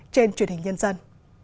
trên truyền hình nhân dân